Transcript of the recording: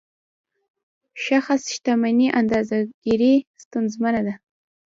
شخص شتمني اندازه ګیري ستونزمنه ده.